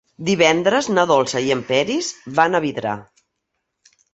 Divendres na Dolça i en Peris van a Vidrà.